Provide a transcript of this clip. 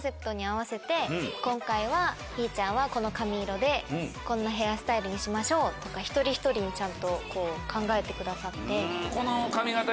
今回はひぃちゃんはこの髪色でこんなヘアスタイルにしましょうとか一人一人ちゃんと考えてくださって。